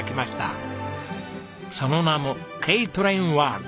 その名も「Ｋトレインワールド」。